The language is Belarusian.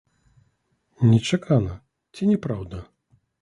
Нечакана, ці не праўда?